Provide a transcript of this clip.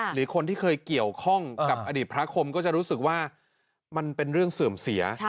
หรือคนที่เคยเกี่ยวข้องกับอดีตพระคมก็จะรู้สึกว่ามันเป็นเรื่องเสื่อมเสีย